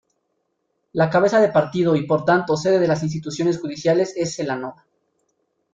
La cabeza de partido y por tanto sede de las instituciones judiciales es Celanova.